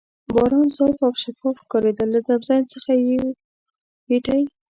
باران صاف او شفاف ښکارېده، له تمځای څخه یو پېټی.